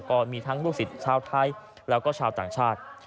ก็มีทั้งลูกศิษย์ชาวไทยแล้วก็ชาวต่างชาติ